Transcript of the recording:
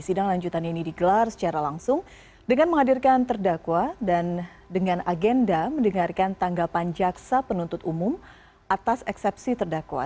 sidang lanjutan ini digelar secara langsung dengan menghadirkan terdakwa dan dengan agenda mendengarkan tanggapan jaksa penuntut umum atas eksepsi terdakwa